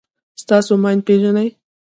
تاسو ماین پېژنئ.